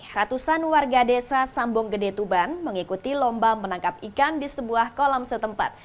ratusan warga desa sambong gede tuban mengikuti lomba menangkap ikan di sebuah kolam setempat